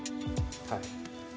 はい。